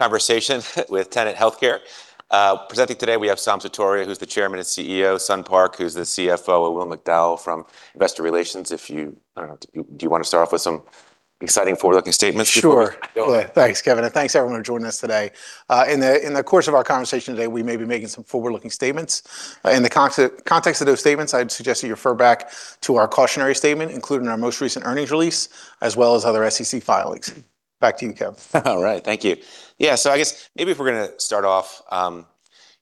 conversation with Tenet Healthcare. Presenting today, we have Saum Sutaria, who's the Chairman and CEO, Sun Park, who's the CFO, and Will McDowell from Investor Relations. I don't know, do you wanna start off with some exciting forward-looking statements? Sure. Go ahead. Thanks, Kevin, and thanks, everyone, for joining us today. In the course of our conversation today, we may be making some forward-looking statements. In the context of those statements, I'd suggest you refer back to our cautionary statement, including our most recent earnings release, as well as other SEC filings. Back to you, Kev. All right. Thank you. I guess maybe if we're gonna start off,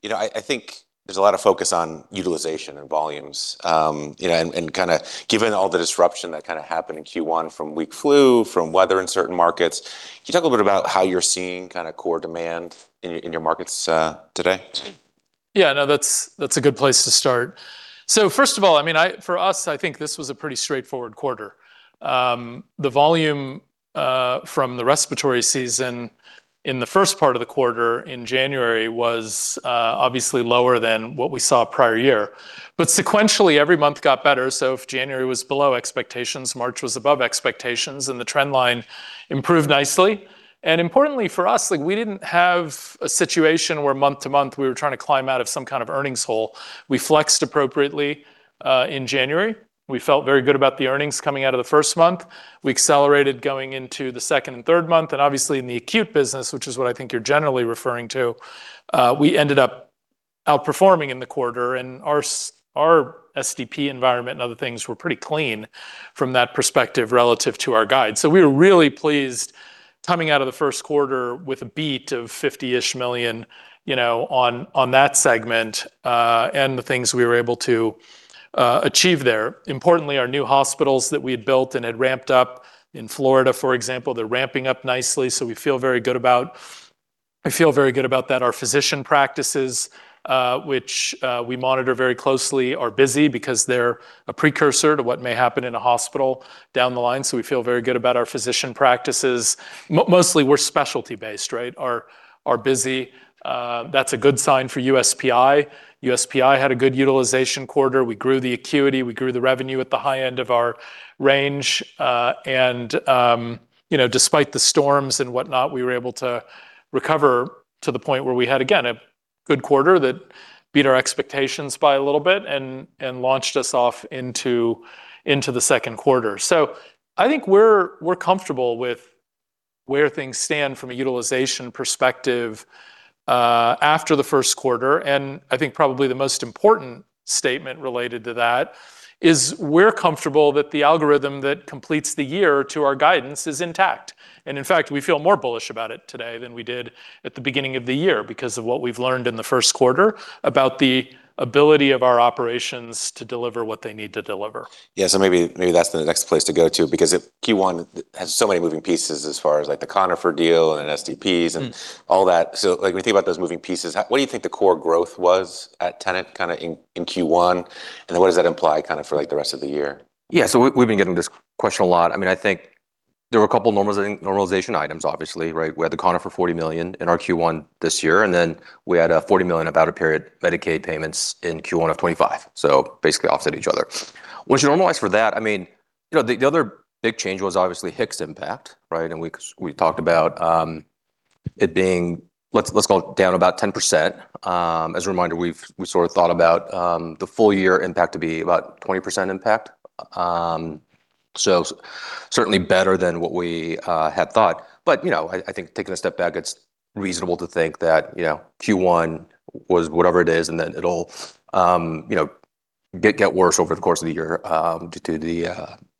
you know, I think there's a lot of focus on utilization and volumes, you know, and kinda given all the disruption that kinda happened in Q1 from weak flu, from weather in certain markets. Can you talk a little bit about how you're seeing kinda core demand in your, in your markets today? Yeah, no, that's a good place to start. First of all, I mean, for us, I think this was a pretty straightforward quarter. The volume from the respiratory season in the first part of the quarter in January was obviously lower than what we saw prior year. Sequentially, every month got better, so if January was below expectations, March was above expectations, and the trend line improved nicely. Importantly for us, like, we didn't have a situation where month-to-month we were trying to climb out of some kind of earnings hole. We flexed appropriately in January. We felt very good about the earnings coming out of the first month. We accelerated going into the second and third month, and obviously in the acute business, which is what I think you're generally referring to, we ended up outperforming in the quarter, and our SDP environment and other things were pretty clean from that perspective relative to our guide. We were really pleased coming out of the first quarter with a beat of $50-ish million, you know, on that segment, and the things we were able to achieve there. Importantly, our new hospitals that we had built and had ramped up in Florida, for example, they're ramping up nicely, so we feel very good about that. Our physician practices, which we monitor very closely, are busy because they're a precursor to what may happen in a hospital down the line. We feel very good about our physician practices. Mostly we're specialty based, right? Our busy, that's a good sign for USPI. USPI had a good utilization quarter. We grew the acuity, we grew the revenue at the high end of our range, you know, despite the storms and whatnot, we were able to recover to the point where we had, again, a good quarter that beat our expectations by a little bit and launched us off into the second quarter. I think we're comfortable with where things stand from a utilization perspective after the first quarter, and I think probably the most important statement related to that is we're comfortable that the algorithm that completes the year to our guidance is intact. In fact, we feel more bullish about it today than we did at the beginning of the year because of what we've learned in the first quarter about the ability of our operations to deliver what they need to deliver. Yeah, maybe that's the next place to go to, because Q1 has so many moving pieces as far as, like, the Conifer deal and SDPs. all that. Like, when you think about those moving pieces, what do you think the core growth was at Tenet kinda in Q1, and what does that imply kinda for, like, the rest of the year? Yeah, we've been getting this question a lot. I mean, I think there were a couple normalization items, obviously, right? We had the Conifer $40 million in our Q1 this year, and then we had a $40 million out-of-period Medicaid payments in Q1 of 2025, basically offset each other. Once you normalize for that, I mean, you know, the other big change was obviously HIX impact, right? We talked about it being let's call it down about 10%. As a reminder, we've sort of thought about the full year impact to be about 20% impact. Certainly better than what we had thought. You know, I think taking a step back, it's reasonable to think that, you know, Q1 was whatever it is, and then it'll, you know, get worse over the course of the year, due to the,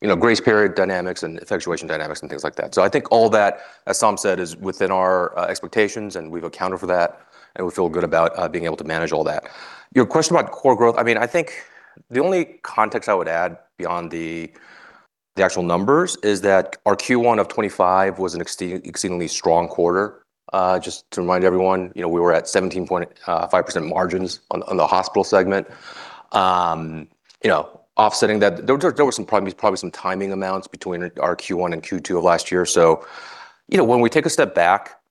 you know, grace period dynamics and effectuation dynamics and things like that. I think all that, as Saum said, is within our expectations, and we've accounted for that, and we feel good about being able to manage all that. Your question about core growth, I mean, I think the only context I would add beyond the actual numbers is that our Q1 of 2025 was an exceedingly strong quarter. Just to remind everyone, you know, we were at 17.5% margins on the hospital segment. You know, offsetting that, there were some probably some timing amounts between our Q1 and Q2 of last year. You know, when we take a step back,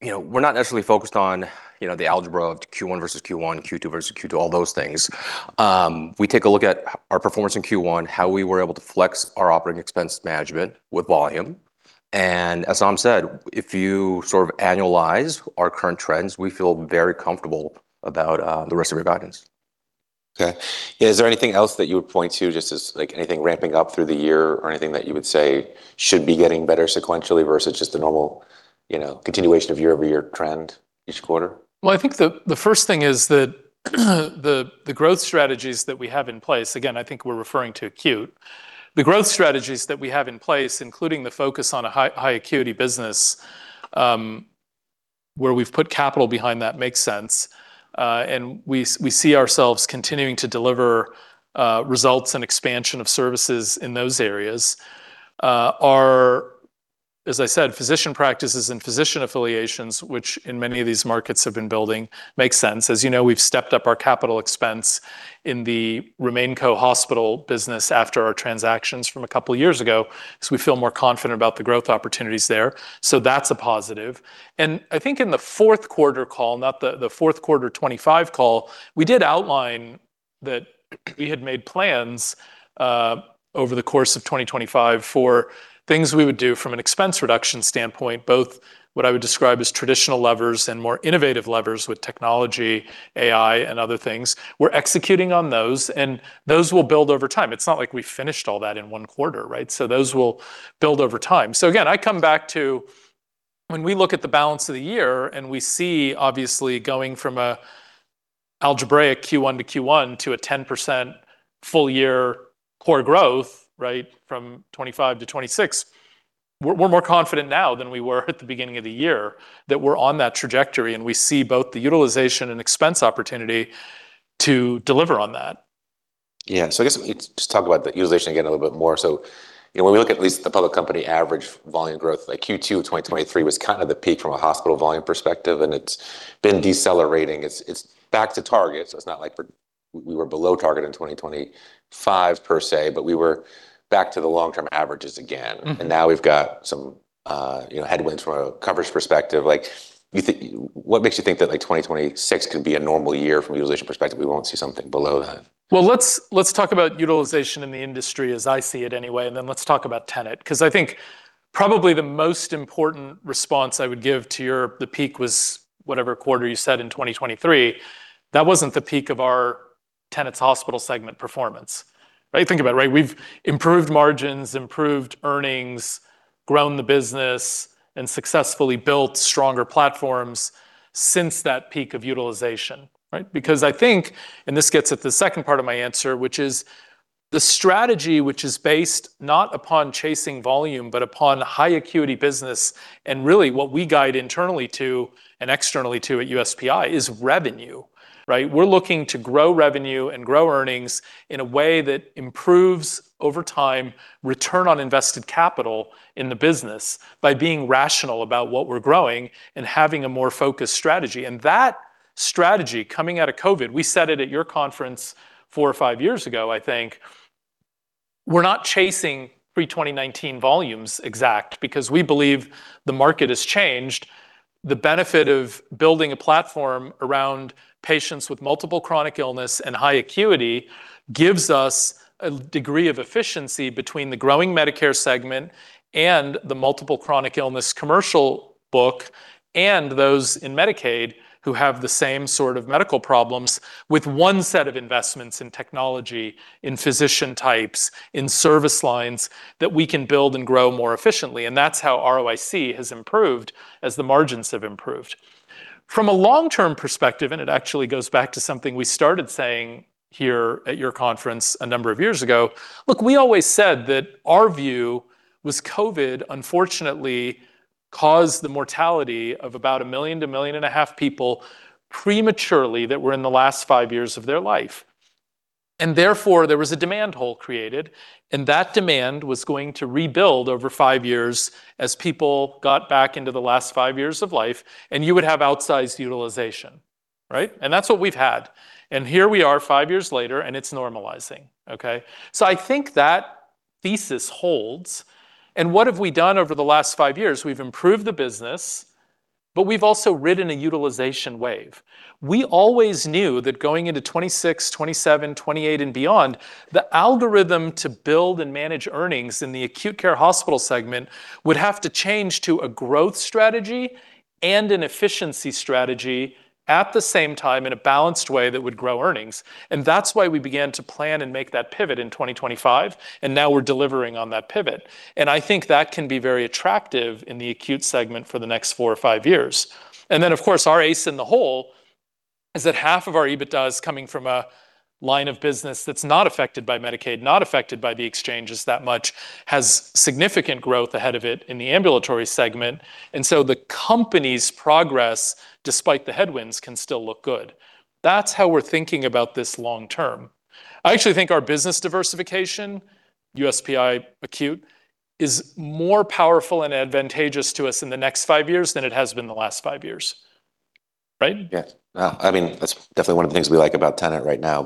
you know, we're not necessarily focused on, you know, the algebra of Q1 versus Q1, Q2 versus Q2, all those things. We take a look at our performance in Q1, how we were able to flex our operating expense management with volume. As Saum said, if you sort of annualize our current trends, we feel very comfortable about the rest of your guidance. Okay. Yeah, is there anything else that you would point to just as, like, anything ramping up through the year or anything that you would say should be getting better sequentially versus just a normal, you know, continuation of year-over-year trend each quarter? Well, I think the first thing is that the growth strategies that we have in place, again, I think we're referring to acute, the growth strategies that we have in place, including the focus on a high acuity business, where we've put capital behind that makes sense. We see ourselves continuing to deliver results and expansion of services in those areas. Our, as I said, physician practices and physician affiliations, which in many of these markets have been building, makes sense. As you know, we've stepped up our capital expense in the RemainCo hospital business after our transactions from a couple years ago, we feel more confident about the growth opportunities there. That's a positive. I think in the fourth quarter call, not the fourth quarter 2025 call, we did outline that we had made plans over the course of 2025 for things we would do from an expense reduction standpoint, both what I would describe as traditional levers and more innovative levers with technology, AI, and other things. We're executing on those, and those will build over time. It's not like we finished all that in one quarter, right? Those will build over time. Again, I come back to when we look at the balance of the year and we see obviously going from a algebraic Q1 to Q1 to a 10% full year core growth, right, from 2025 to 2026, we're more confident now than we were at the beginning of the year that we're on that trajectory and we see both the utilization and expense opportunity to deliver on that. Yeah. I guess just talk about the utilization again a little bit more. You know, when we look at least the public company average volume growth, like Q2 of 2023 was kind of the peak from a hospital volume perspective, and it's been decelerating. It's back to target, so it's not like we were below target in 2025 per se, but we were back to the long-term averages again. Now we've got some, you know, headwinds from a coverage perspective. Like, what makes you think that, like, 2026 could be a normal year from a utilization perspective, we won't see something below that? Well, let's talk about utilization in the industry as I see it anyway. Then let's talk about Tenet. 'Cause I think probably the most important response I would give to your, the peak was whatever quarter you said in 2023, that wasn't the peak of our Tenet's hospital segment performance, right? Think about it, right? We've improved margins, improved earnings, grown the business, and successfully built stronger platforms since that peak of utilization, right? I think, this gets at the second part of my answer, which is the strategy which is based not upon chasing volume, but upon high acuity business, and really what we guide internally to and externally to at USPI is revenue, right? We're looking to grow revenue and grow earnings in a way that improves over time return on invested capital in the business by being rational about what we're growing and having a more focused strategy. That strategy coming out of COVID, we said it at your conference four or five years ago, I think, we're not chasing pre-2019 volumes exact because we believe the market has changed. The benefit of building a platform around patients with multiple chronic illness and high acuity gives us a degree of efficiency between the growing Medicare segment and the multiple chronic illness commercial book and those in Medicaid who have the same sort of medical problems with one set of investments in technology, in physician types, in service lines that we can build and grow more efficiently. That's how ROIC has improved as the margins have improved. From a long-term perspective, it actually goes back to something we started saying here at your conference a number of years ago, we always said that our view was COVID unfortunately caused the mortality of about 1 million-1.5 million people prematurely that were in the last five years of their life. Therefore, there was a demand hole created, and that demand was going to rebuild over five years as people got back into the last five years of life, and you would have outsized utilization, right? That's what we've had. Here we are five years later, and it's normalizing, okay? I think that thesis holds. What have we done over the last five years? We've improved the business, but we've also ridden a utilization wave. We always knew that going into 2026, 2027, 2028 and beyond, the algorithm to build and manage earnings in the acute care hospital segment would have to change to a growth strategy and an efficiency strategy at the same time in a balanced way that would grow earnings. That's why we began to plan and make that pivot in 2025, and now we're delivering on that pivot. I think that can be very attractive in the acute segment for the next four or five years. Of course, our ace in the hole is that half of our EBITDA is coming from a line of business that's not affected by Medicaid, not affected by the exchanges that much, has significant growth ahead of it in the ambulatory segment. The company's progress, despite the headwinds, can still look good. That's how we're thinking about this long term. I actually think our business diversification, USPI acute, is more powerful and advantageous to us in the next five years than it has been the last five years, right? Yeah. No, I mean, that's definitely one of the things we like about Tenet right now.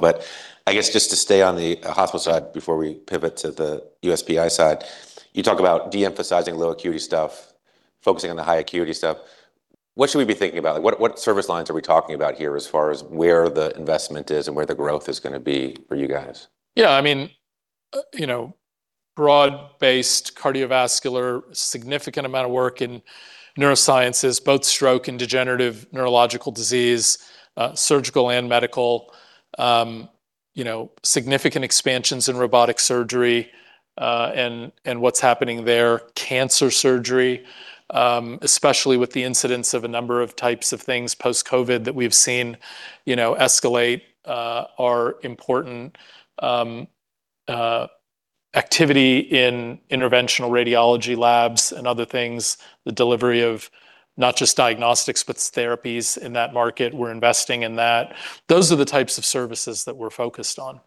I guess just to stay on the hospital side before we pivot to the USPI side, you talk about de-emphasizing low acuity stuff, focusing on the high acuity stuff. What should we be thinking about? Like, what service lines are we talking about here as far as where the investment is and where the growth is gonna be for you guys? Yeah. I mean, you know, broad-based cardiovascular, significant amount of work in neurosciences, both stroke and degenerative neurological disease, surgical and medical, you know, significant expansions in robotic surgery, and what's happening there. Cancer surgery, especially with the incidence of a number of types of things post-COVID that we've seen, you know, escalate, are important. Activity in interventional radiology labs and other things, the delivery of not just diagnostics, but therapies in that market, we're investing in that. Those are the types of services that we're focused on.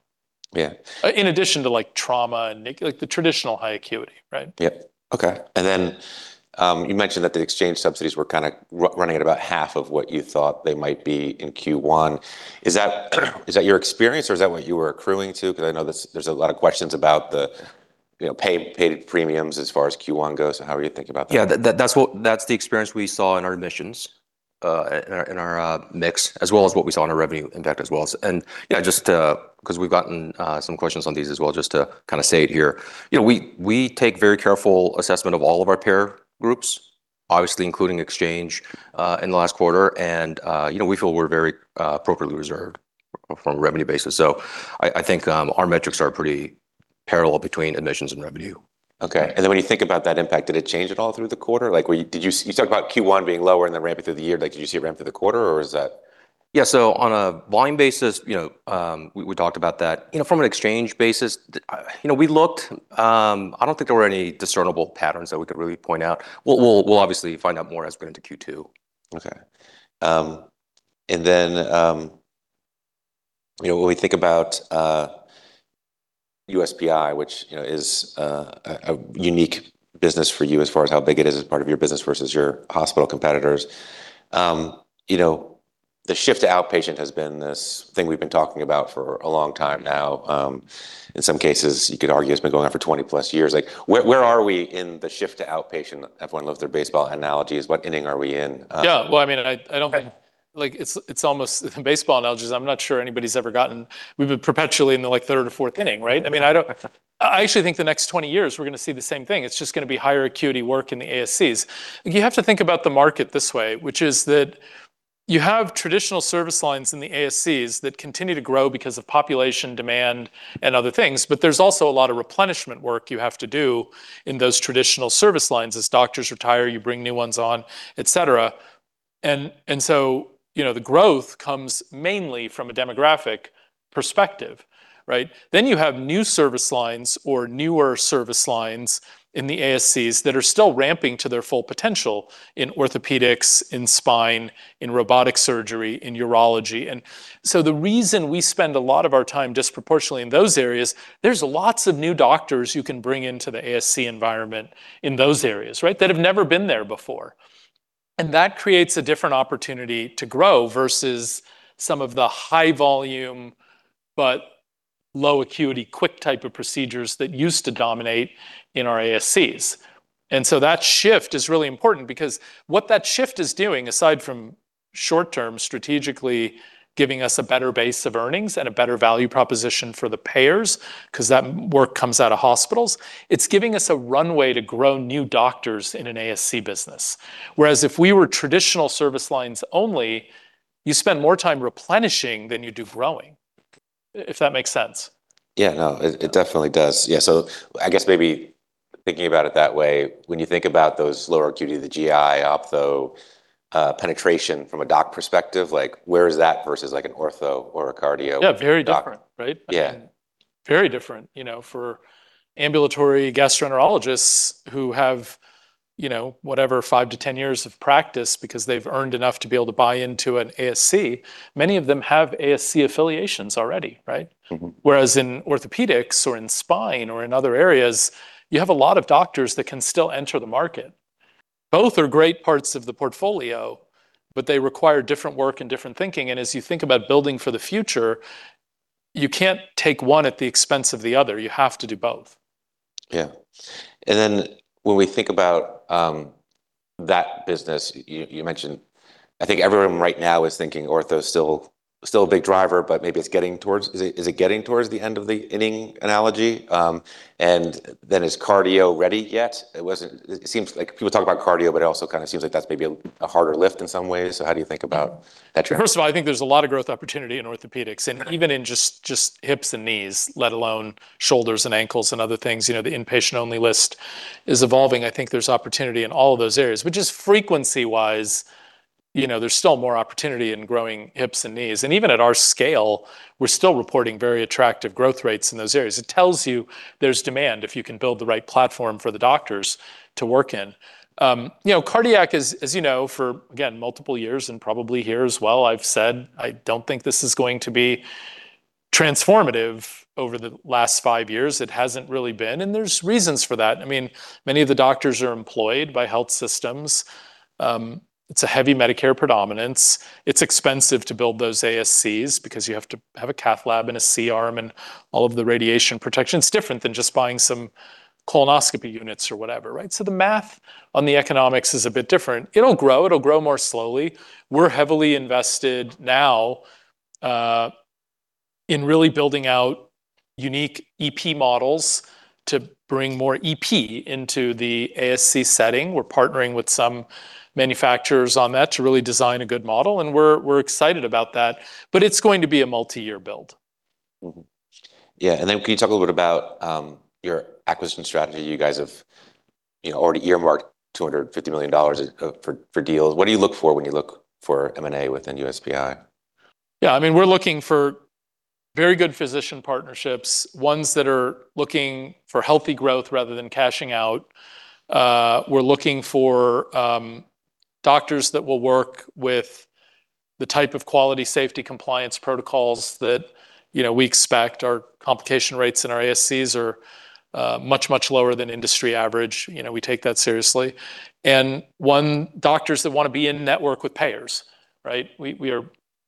Yeah. In addition to, like, trauma and like the traditional high acuity, right? Yeah. Okay. Then, you mentioned that the exchange subsidies were running at about half of what you thought they might be in Q1. Is that your experience, or is that what you were accruing to? I know there's a lot of questions about the, you know, paid premiums as far as Q1 goes. How are you thinking about that? That's the experience we saw in our admissions. In our mix, as well as what we saw on our revenue impact as well. Just to, 'cause we've gotten some questions on these as well, just to kinda say it here. You know, we take very careful assessment of all of our payer groups, obviously including exchange, in the last quarter. You know, we feel we're very appropriately reserved from a revenue basis. I think our metrics are pretty parallel between admissions and revenue. Okay. When you think about that impact, did it change at all through the quarter? Like, you talk about Q1 being lower and then ramp it through the year, like did you see a ramp through the quarter? On a volume basis, you know, we talked about that. You know, from an exchange basis, you know, we looked, I don't think there were any discernible patterns that we could really point out. We'll obviously find out more as we get into Q2. Okay. You know, when we think about USPI, which, you know, is a unique business for you as far as how big it is as part of your business versus your hospital competitors, you know, the shift to outpatient has been this thing we've been talking about for a long time now. In some cases, you could argue it's been going on for 20+ years. Like, where are we in the shift to outpatient? Everyone loves their baseball analogies. What inning are we in? Yeah. Well, I mean, I don't think. Right like it's almost, baseball analogies. I'm not sure anybody's ever gotten. We've been perpetually in the like third or fourth inning, right? I mean, I don't, I actually think the next 20 years we're gonna see the same thing. It's just gonna be higher acuity work in the ASCs. You have to think about the market this way, which is that you have traditional service lines in the ASCs that continue to grow because of population demand and other things, but there's also a lot of replenishment work you have to do in those traditional service lines. As doctors retire, you bring new ones on, et cetera. You know, the growth comes mainly from a demographic perspective, right? You have new service lines or newer service lines in the ASCs that are still ramping to their full potential in orthopedics, in spine, in robotic surgery, in urology. The reason we spend a lot of our time disproportionately in those areas, there's lots of new doctors you can bring into the ASC environment in those areas, right, that have never been there before. That creates a different opportunity to grow versus some of the high volume but low acuity, quick type of procedures that used to dominate in our ASCs. That shift is really important because what that shift is doing, aside from short-term strategically giving us a better base of earnings and a better value proposition for the payers, 'cause that work comes out of hospitals, it's giving us a runway to grow new doctors in an ASC business. Whereas if we were traditional service lines only, you spend more time replenishing than you do growing, if that makes sense. Yeah, no, it definitely does. Yeah, I guess maybe thinking about it that way, when you think about those lower acuity, the GI, Ophtho, penetration from a doc perspective, like where is that versus like an ortho or a cardio doc? Yeah, very different, right? Yeah. Very different. You know, for ambulatory gastroenterologists who have, you know, whatever, five to 10 years of practice because they've earned enough to be able to buy into an ASC, many of them have ASC affiliations already, right? Whereas in orthopedics or in spine or in other areas, you have a lot of doctors that can still enter the market. Both are great parts of the portfolio, but they require different work and different thinking, and as you think about building for the future, you can't take one at the expense of the other. You have to do both. Yeah. When we think about that business, you mentioned, I think everyone right now is thinking ortho's still a big driver, but maybe it's getting towards, is it getting towards the end of the inning analogy? Is cardio ready yet? It seems like people talk about cardio, but it also kind of seems like that's maybe a harder lift in some ways. How do you think about that trend? First of all, I think there's a lot of growth opportunity in orthopedics, and even in just hips and knees, let alone shoulders and ankles and other things. You know, the inpatient-only list is evolving. I think there's opportunity in all of those areas. Just frequency-wise, you know, there's still more opportunity in growing hips and knees. Even at our scale, we're still reporting very attractive growth rates in those areas. It tells you there's demand if you can build the right platform for the doctors to work in. You know, cardiac is, as you know, for again, multiple years and probably here as well, I've said I don't think this is going to be transformative over the last five years. It hasn't really been, and there's reasons for that. I mean, many of the doctors are employed by health systems. It's a heavy Medicare predominance. It's expensive to build those ASCs because you have to have a cath lab and a C-arm and all of the radiation protection. It's different than just buying some colonoscopy units or whatever, right? The math on the economics is a bit different. It'll grow. It'll grow more slowly. We're heavily invested now in really building out unique EP models to bring more EP into the ASC setting. We're partnering with some manufacturers on that to really design a good model, and we're excited about that, but it's going to be a multi-year build. Yeah, can you talk a little bit about your acquisition strategy? You guys have, you know, already earmarked $250 million for deals. What do you look for when you look for M&A within USPI? Yeah, I mean, we're looking for very good physician partnerships, ones that are looking for healthy growth rather than cashing out. We're looking for doctors that will work with the type of quality safety compliance protocols that, you know, we expect. Our complication rates in our ASCs are much, much lower than industry average. You know, we take that seriously. One, doctors that wanna be in network with payers. Right? We are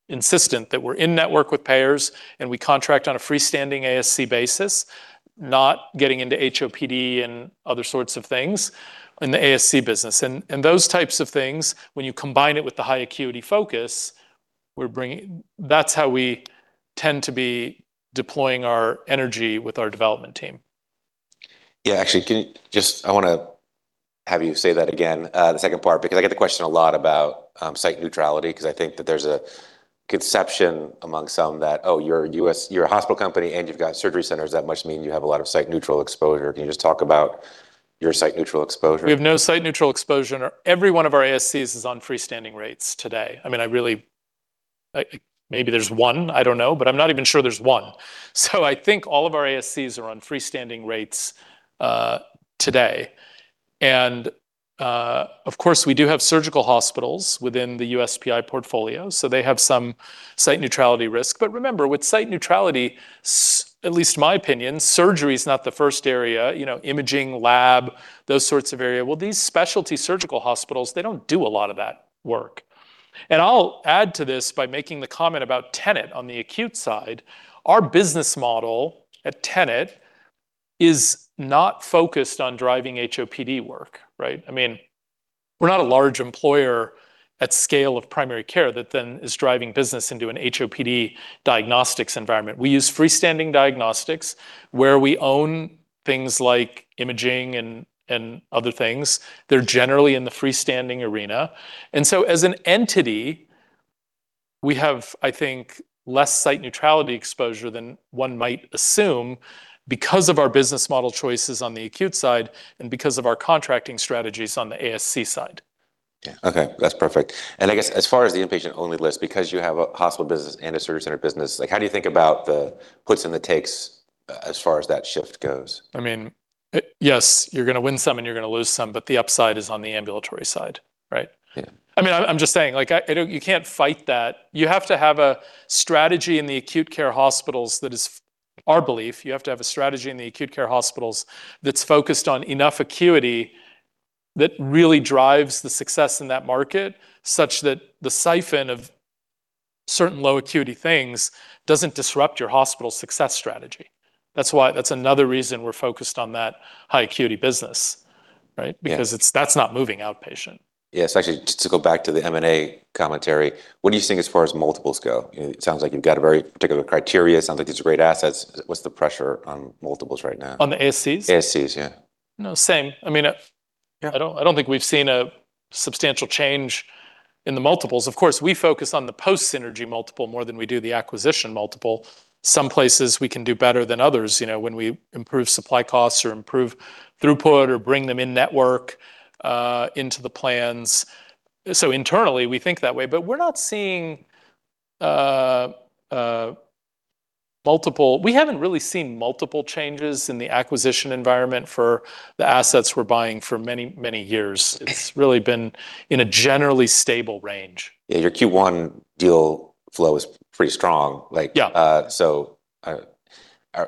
insistent that we're in network with payers and we contract on a freestanding ASC basis, not getting into HOPD and other sorts of things in the ASC business. Those types of things, when you combine it with the high acuity focus we're bringing, that's how we tend to be deploying our energy with our development team. Yeah. Actually, can you just I wanna have you say that again, the second part, because I get the question a lot about site neutrality, because I think that there's a conception among some that, oh, you're a hospital company and you've got surgery centers, that must mean you have a lot of site-neutral exposure. Can you just talk about your site-neutral exposure? We have no site-neutral exposure. Every one of our ASCs is on freestanding rates today. I mean, maybe there's one, I don't know, but I'm not even sure there's one. I think all of our ASCs are on freestanding rates today. Of course, we do have surgical hospitals within the USPI portfolio, so they have some site neutrality risk. Remember, with site neutrality, at least my opinion, surgery is not the first area, you know, imaging, lab, those sorts of area. Well, these specialty surgical hospitals, they don't do a lot of that work. I'll add to this by making the comment about Tenet on the acute side. Our business model at Tenet is not focused on driving HOPD work, right? I mean, we're not a large employer at scale of primary care that then is driving business into an HOPD diagnostics environment. We use freestanding diagnostics where we own things like imaging and other things. They're generally in the freestanding arena. As an entity, we have, I think, less site neutrality exposure than one might assume because of our business model choices on the acute side and because of our contracting strategies on the ASC side. Yeah. Okay. That's perfect. I guess as far as the inpatient-only list, because you have a hospital business and a surgery center business, like, how do you think about the puts and the takes, as far as that shift goes? I mean, yes, you're gonna win some and you're gonna lose some, but the upside is on the ambulatory side, right? Yeah. I mean, I'm just saying, like, you can't fight that. You have to have a strategy in the acute care hospitals that is our belief. You have to have a strategy in the acute care hospitals that's focused on enough acuity that really drives the success in that market, such that the siphon of certain low acuity things doesn't disrupt your hospital success strategy. That's another reason we're focused on that high acuity business, right? Yeah. Because that's not moving outpatient. Yes. Actually, just to go back to the M&A commentary, what do you think as far as multiples go? It sounds like you've got a very particular criteria. It sounds like these are great assets. What's the pressure on multiples right now? On the ASCs? ASCs, yeah. No, same. I mean. Yeah I don't think we've seen a substantial change in the multiples. Of course, we focus on the post synergy multiple more than we do the acquisition multiple. Some places we can do better than others, you know, when we improve supply costs or improve throughput or bring them in-network into the plans. Internally, we think that way, but we're not seeing, We haven't really seen multiple changes in the acquisition environment for the assets we're buying for many, many years. It's really been in a generally stable range. Yeah, your Q1 deal flow is pretty strong. Yeah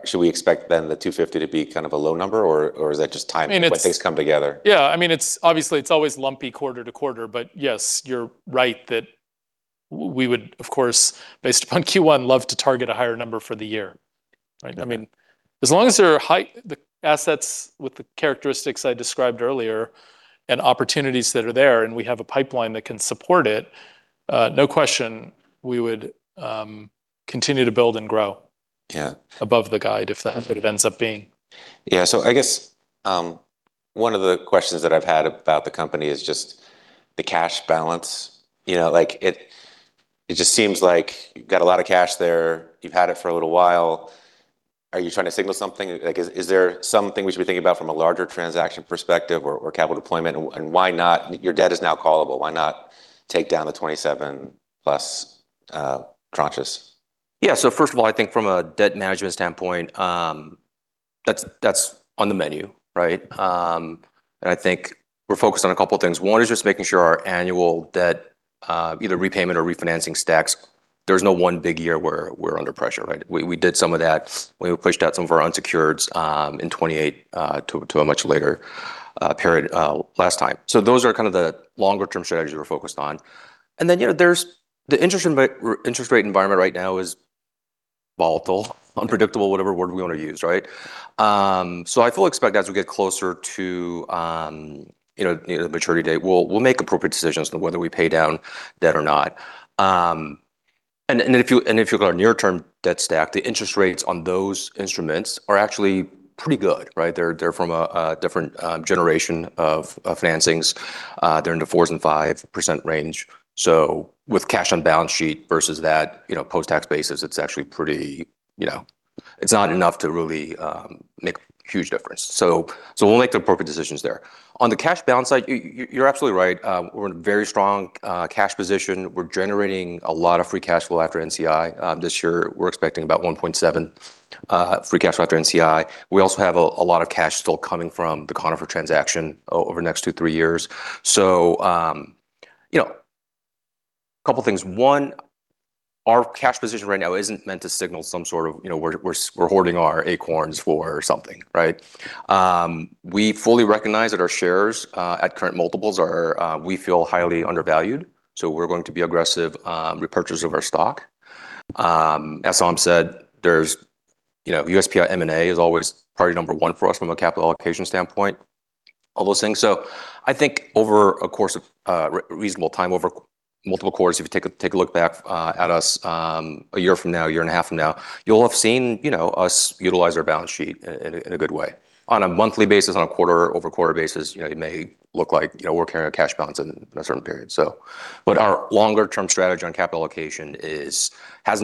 Should we expect then the $250 to be kind of a low number, or is that just timing? I mean. when things come together? Yeah. I mean, it's obviously it's always lumpy quarter to quarter, yes, you're right that we would, of course, based upon Q1, love to target a higher number for the year, right? Yeah. I mean, as long as there are the assets with the characteristics I described earlier and opportunities that are there and we have a pipeline that can support it, no question we would, continue to build and grow. Yeah above the guide if that's what it ends up being. Yeah. I guess, one of the questions that I've had about the company is just the cash balance. You know, like it just seems like you've got a lot of cash there. You've had it for a little while. Are you trying to signal something? Like, is there something we should be thinking about from a larger transaction perspective or capital deployment? Your debt is now callable, why not take down the 27+ tranches? First of all, I think from a debt management standpoint, that's on the menu, right? I think we're focused on a couple of things. One is just making sure our annual debt, either repayment or refinancing stacks, there's no one big year where we're under pressure, right? We did some of that when we pushed out some of our unsecureds in 2028 to a much later period last time. Those are kind of the longer-term strategies we're focused on. You know, the interest rate environment right now is volatile, unpredictable, whatever word we wanna use, right? I fully expect as we get closer to, you know, the maturity date, we'll make appropriate decisions on whether we pay down debt or not. If you look at our near-term debt stack, the interest rates on those instruments are actually pretty good, right? They're from a different generation of financings. They're in the 4% and 5% range. With cash on balance sheet versus that, you know, post-tax basis, it's actually pretty, you know, it's not enough to really make a huge difference. We'll make the appropriate decisions there. On the cash balance side, you're absolutely right. We're in a very strong cash position. We're generating a lot of free cash flow after NCI. This year, we're expecting about $1.7 free cash flow after NCI. We also have a lot of cash still coming from the Conifer transaction over the next two, three years. Yeah. A couple of things. One, our cash position right now isn't meant to signal some sort of, you know, we're hoarding our acorns for something, right? We fully recognize that our shares at current multiples are, we feel highly undervalued, so we're going to be aggressive repurchaser of our stock. As Saum said, there's, you know, USPI M&A is always priority number one for us from a capital allocation standpoint, all those things. I think over a course of reasonable time, over multiple quarters, if you take a look back at us a year from now, a year and a half from now, you'll have seen, you know, us utilize our balance sheet in a good way. On a monthly basis, on a quarter-over-quarter basis, you know, it may look like, you know, we're carrying a cash balance in a certain period. Our longer-term strategy on capital allocation is,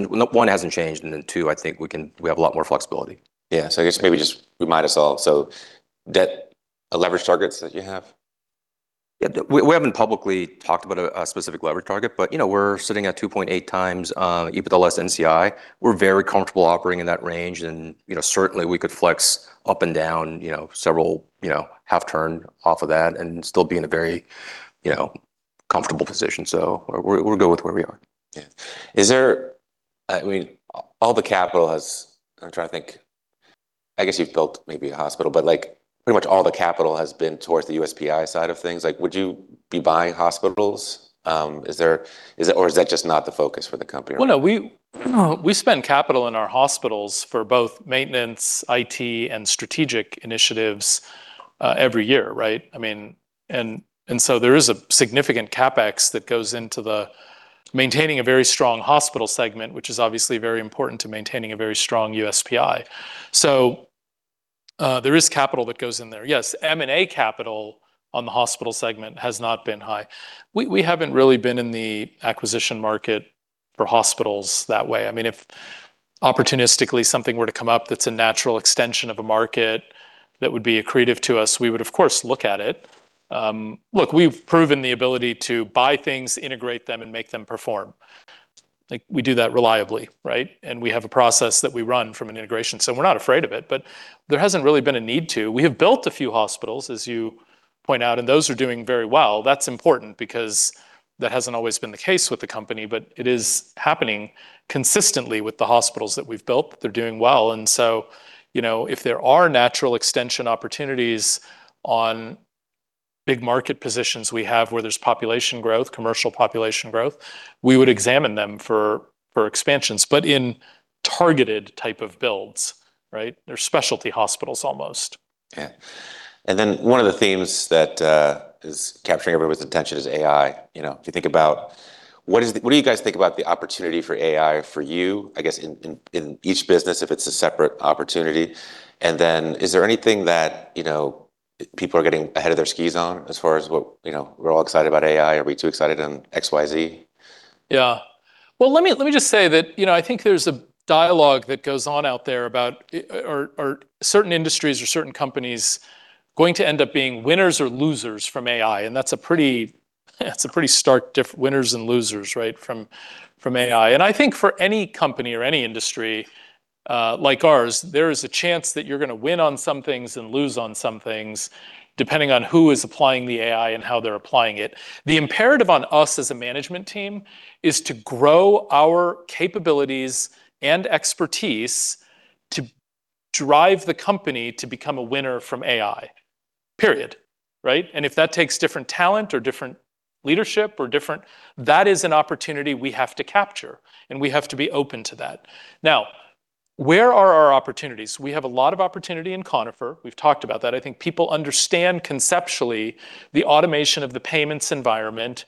one, hasn't changed, two, I think We have a lot more flexibility. Yeah. I guess maybe just remind us all, so debt leverage targets that you have? Yeah. We haven't publicly talked about a specific leverage target, but, you know, we're sitting at 2.8x EBITDA less NCI. We're very comfortable operating in that range and, you know, certainly we could flex up and down, you know, several, you know, half turn off of that and still be in a very, you know, comfortable position. We're good with where we are. Yeah. Is there, I mean, all the capital has. I'm trying to think. I guess you've built maybe a hospital, but, like, pretty much all the capital has been towards the USPI side of things. Like, would you be buying hospitals? Is it, or is that just not the focus for the company? Well, no, we spend capital in our hospitals for both maintenance, IT, and strategic initiatives every year, right? I mean, there is a significant CapEx that goes into the maintaining a very strong hospital segment, which is obviously very important to maintaining a very strong USPI. There is capital that goes in there. Yes, M&A capital on the hospital segment has not been high. We haven't really been in the acquisition market for hospitals that way. I mean, if opportunistically something were to come up that's a natural extension of a market that would be accretive to us, we would of course look at it. Look, we've proven the ability to buy things, integrate them, and make them perform. Like, we do that reliably, right? We have a process that we run from an integration. We're not afraid of it, but there hasn't really been a need to. We have built a few hospitals, as you point out, and those are doing very well. That's important because that hasn't always been the case with the company, but it is happening consistently with the hospitals that we've built. They're doing well, you know, if there are natural extension opportunities on big market positions we have where there's population growth, commercial population growth, we would examine them for expansions. In targeted type of builds, right? They're specialty hospitals almost. Yeah. One of the themes that is capturing everybody's attention is AI. You know, if you think about what do you guys think about the opportunity for AI for you, I guess in each business if it's a separate opportunity? Is there anything that, you know, people are getting ahead of their skis on as far as what, you know, we're all excited about AI. Are we too excited on XYZ? Yeah. Well, let me just say that, you know, I think there's a dialogue that goes on out there about, are certain industries or certain companies going to end up being winners or losers from AI, and that's a pretty, that's a pretty stark winners and losers, right? From AI. I think for any company or any industry, like ours, there is a chance that you're gonna win on some things and lose on some things depending on who is applying the AI and how they're applying it. The imperative on us as a management team is to grow our capabilities and expertise to drive the company to become a winner from AI, period, right? If that takes different talent or different leadership or different. That is an opportunity we have to capture, and we have to be open to that. Where are our opportunities? We have a lot of opportunity in Conifer. We've talked about that. I think people understand conceptually the automation of the payments environment,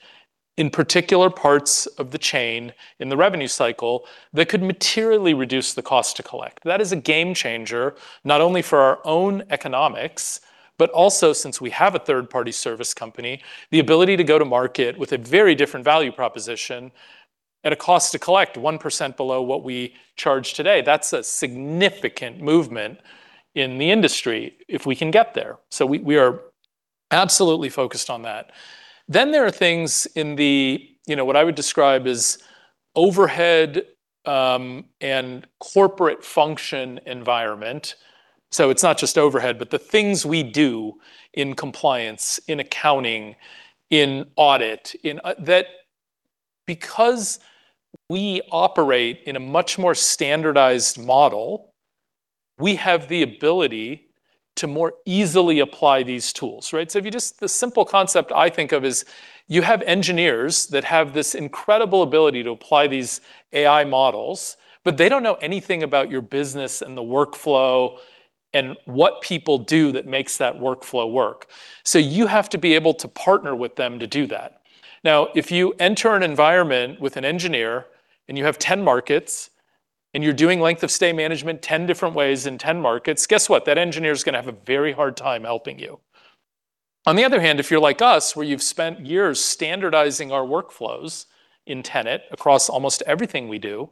in particular parts of the chain in the revenue cycle that could materially reduce the cost to collect. That is a game changer, not only for our own economics, but also since we have a third-party service company, the ability to go to market with a very different value proposition at a cost to collect 1% below what we charge today. That's a significant movement in the industry if we can get there. We are absolutely focused on that. There are things in the, you know, what I would describe as overhead, and corporate function environment, so it's not just overhead, but the things we do in compliance, in accounting, in audit, that because we operate in a much more standardized model, we have the ability to more easily apply these tools, right? If you just the simple concept I think of is you have engineers that have this incredible ability to apply these AI models, but they don't know anything about your business and the workflow and what people do that makes that workflow work. You have to be able to partner with them to do that. Now, if you enter an environment with an engineer, and you have 10 markets, and you're doing length of stay management 10 different ways in 10 markets, guess what? That engineer's gonna have a very hard time helping you. On the other hand, if you're like us, where you've spent years standardizing our workflows in Tenet across almost everything we do,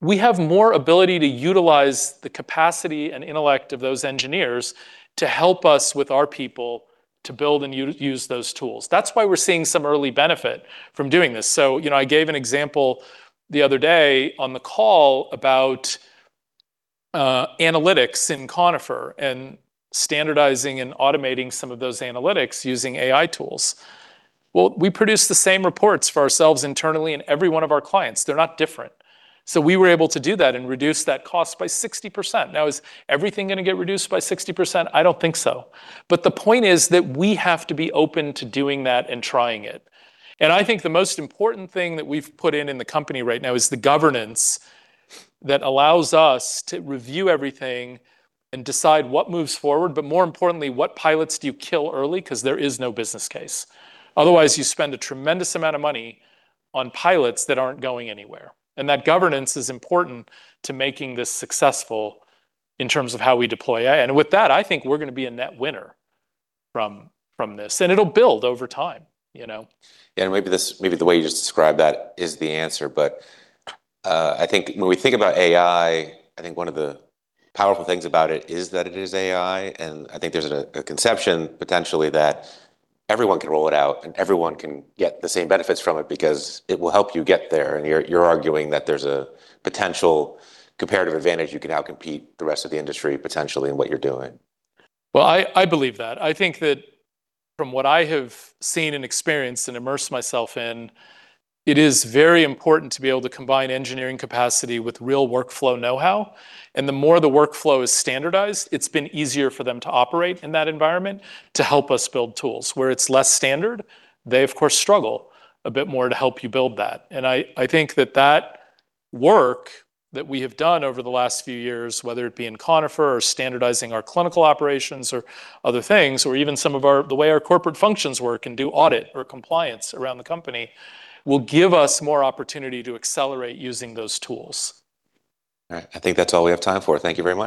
we have more ability to utilize the capacity and intellect of those engineers to help us with our people to build and use those tools. That's why we're seeing some early benefit from doing this. You know, I gave an example the other day on the call about analytics in Conifer and standardizing and automating some of those analytics using AI tools. Well, we produce the same reports for ourselves internally and every one of our clients. They're not different. We were able to do that and reduce that cost by 60%. Is everything gonna get reduced by 60%? I don't think so. The point is that we have to be open to doing that and trying it. I think the most important thing that we've put in in the company right now is the governance that allows us to review everything and decide what moves forward, but more importantly, what pilots do you kill early 'cause there is no business case. Otherwise, you spend a tremendous amount of money on pilots that aren't going anywhere, and that governance is important to making this successful in terms of how we deploy AI. With that, I think we're gonna be a net winner from this, and it'll build over time, you know. Yeah, maybe the way you just described that is the answer. I think when we think about AI, I think one of the powerful things about it is that it is AI, and I think there's a conception potentially that everyone can roll it out and everyone can get the same benefits from it because it will help you get there. You're arguing that there's a potential comparative advantage you can now compete the rest of the industry potentially in what you're doing. Well, I believe that. I think that from what I have seen and experienced and immersed myself in, it is very important to be able to combine engineering capacity with real workflow know-how, and the more the workflow is standardized, it's been easier for them to operate in that environment to help us build tools. Where it's less standard, they, of course, struggle a bit more to help you build that. I think that work that we have done over the last few years, whether it be in Conifer or standardizing our clinical operations or other things, or even some of the way our corporate functions work and do audit or compliance around the company, will give us more opportunity to accelerate using those tools. All right. I think that's all we have time for. Thank you very much.